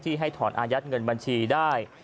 ให้ถอนอายัดเงินบัญชีได้